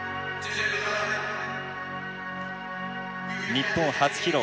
日本初披露。